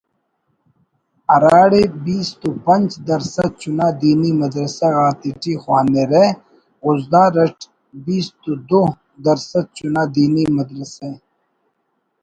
ہراڑے بیست و پنچ درسَد چنا دینی مدرسہ غاتیٹی خوانرہ خضدار اٹ بیست و دُو درسَد چنا دینی مدرسہ